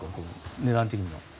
値段的には。